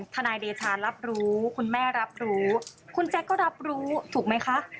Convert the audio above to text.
นายเดชารับรู้คุณแม่รับรู้คุณแจ๊กก็รับรู้ถูกไหมคะ